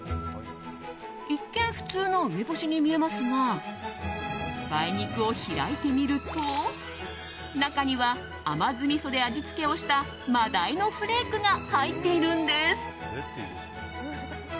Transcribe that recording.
一見普通の梅干しに見えますが梅肉を開いてみると中には、甘酢みそで味付けをした真鯛のフレークが入っているんです。